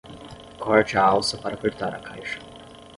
Corte a alça para apertar a caixa.